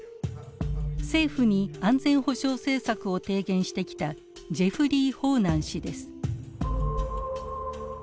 政府に安全保障政策を提言してきたジェフリー・ホーナン氏です。